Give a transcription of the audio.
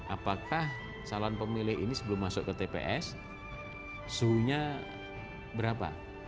apakah calon pemilih ini sebelum masuk ke tps suhunya berapa